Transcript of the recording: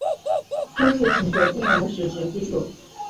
故事情节并无史实基础。